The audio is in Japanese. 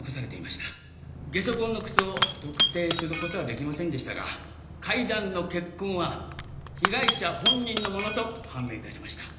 ゲソ痕の靴を特定する事はできませんでしたが階段の血痕は被害者本人のものと判明致しました。